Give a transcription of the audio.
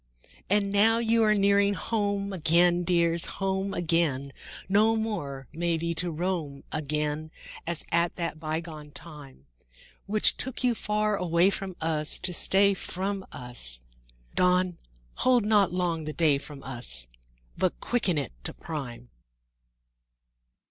IV And now you are nearing home again, Dears, home again; No more, may be, to roam again As at that bygone time, Which took you far away from us To stay from us; Dawn, hold not long the day from us, But quicken it to prime!